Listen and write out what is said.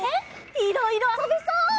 いろいろあそべそう！